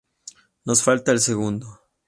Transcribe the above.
Nos falta el segundo.